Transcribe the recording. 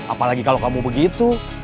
apalagi kalau kamu begitu